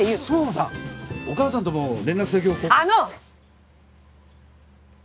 そうだお母さんとも連絡先を交換